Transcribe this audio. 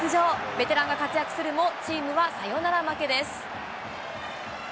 ベテランが活躍するも、チームはサヨナラ負けです。